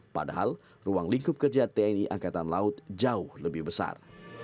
padahal ruang lingkup kerja tni angkatan laut jauh lebih besar